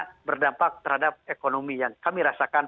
karena berdampak terhadap ekonomi yang kami rasakan